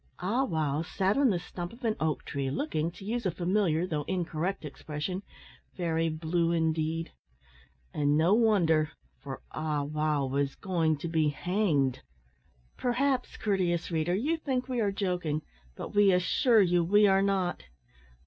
Ah wow sat on the stump of an oak tree, looking, to use a familiar, though incorrect expression, very blue indeed. And no wonder, for Ah wow was going to be hanged. Perhaps, courteous reader, you think we are joking, but we assure you we are not.